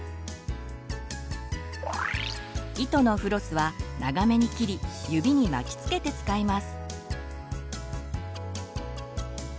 糸のフロスは長めに切り指に巻きつけて使います。